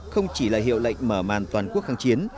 không chỉ là hiệu lệnh mở màn toàn quốc kháng chiến